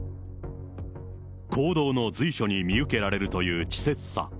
行動の随所に見受けられるという稚拙さ。